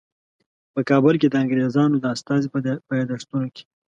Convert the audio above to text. په کابل کې د انګریزانو د استازي په یادښتونو کې.